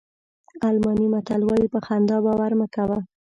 الماني متل وایي په خندا باور مه کوه.